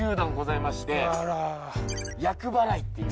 厄払いっていう。